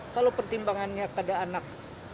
kalau pertimbangannya pada anak